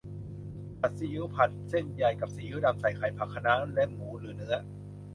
ผัดซีอิ๊ว ผัดเส้นใหญ่กับซีอิ๊วดำ ใส่ไข่ ผักคะน้า และหมูหรือเนื้อ